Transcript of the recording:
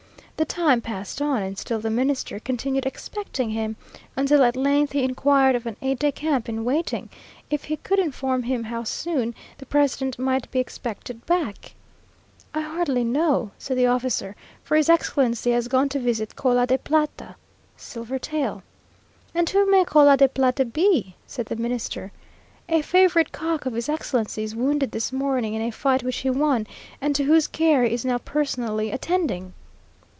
The time passed on, and still the Minister continued expecting him, until at length he inquired of an aide de camp in waiting, if he could inform him how soon the president might be expected back. "I hardly know," said the officer, "for his excellency has gone to visit Cola de plata" (silver tail). "And who may Cola de plata be?" said the Minister. "A favourite cock of his excellency's, wounded this morning in a fight which he won, and to whose care he is now personally attending!"